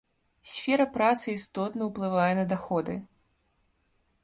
Сфера працы істотна ўплывае на даходы.